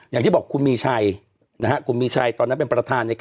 อย่างที่บอกคุณมีชัย